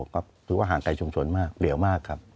ก็ถือว่าห่างไกลชุมชนมากเหลวมากครับ